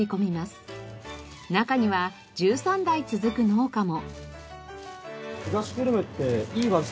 中には１３代続く農家も。